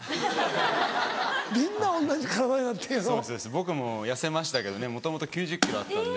僕も痩せましたけどもともと９０ｋｇあったんで。